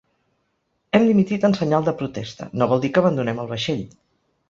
Hem dimitit en senyal de protesta, no vol dir que abandonem el vaixell